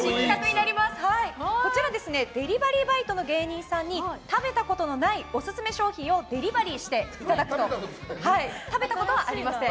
こちら、デリバリーバイトの芸人さんに食べたことのないオススメ商品をデリバリーしていただくと。食べたことはありません。